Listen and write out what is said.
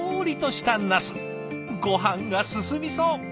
ごはんが進みそう！